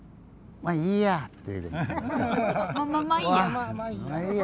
まぁいいやって？